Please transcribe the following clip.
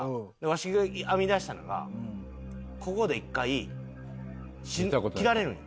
わしが編み出したのがここで一回斬られるん。